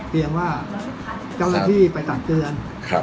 เพียงว่าเจ้าหน้าที่ไปตักเตือน